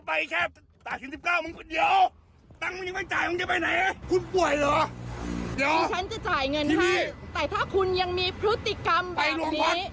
ผมจะจ่ายเงินให้แต่ถ้าคุณยังมีพฤติกรรมแบบนี้